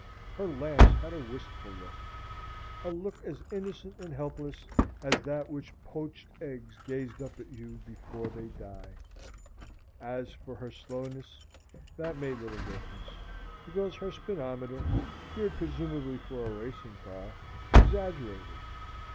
Her lamps had a wistful look a look as innocent and helpless as that with which poached eggs gaze up at you before they die. As for her slowness, that made little difference; because her speedometer, geared presumably for a racing car, exaggerated.